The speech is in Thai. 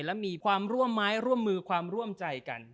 และมีความร่วมไม้ร่วมมือความร่วมใจกัน